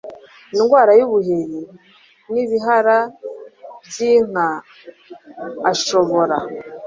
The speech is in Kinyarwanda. indwara y uruheri n ibihara by inka ashobora